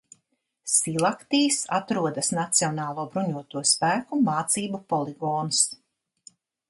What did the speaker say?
Silaktīs atrodas Nacionālo bruņoto spēku mācību poligons.